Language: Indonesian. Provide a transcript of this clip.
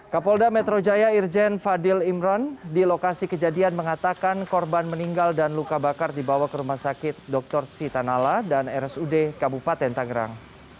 kapolda metro jaya irjen fadil imron di lokasi kejadian mengatakan korban meninggal dan luka bakar dibawa ke rumah sakit dr sitanala dan rsud kabupaten tangerang